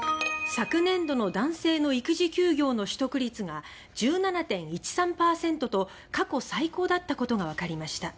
昨年度の男性の育児休業の取得率が１７．１３％と過去最高だったことがわかりました。